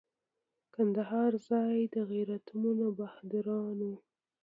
کندهار ځای د غیرتمنو بهادرانو.